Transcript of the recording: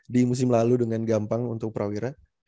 di musim lalu dengan gampang untuk prawira